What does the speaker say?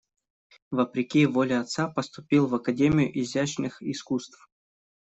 Вопреки воле отца поступил в академию изящных искусств.